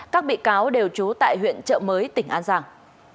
các bị cáo đều trú tại huyện chợ mới tỉnh an giang